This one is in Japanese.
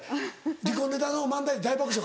離婚ネタの漫談で大爆笑。